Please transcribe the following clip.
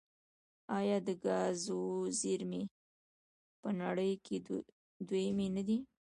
آیا د ګازو زیرمې یې په نړۍ کې دویمې نه دي؟